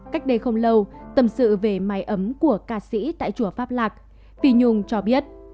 cách đây không lâu tâm sự về mái ấm của ca sĩ tại chùa pháp lạc phi nhung cho biết